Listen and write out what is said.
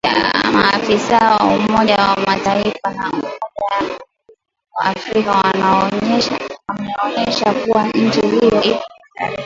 Maafisa wa Umoja wa Mataifa na Umoja wa Afrika wameonya kuwa nchi hiyo iko hatarini